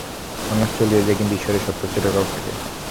মানুষ চলিয়া যায়, কিন্তু ঈশ্বরের সত্য চিরকাল থাকে।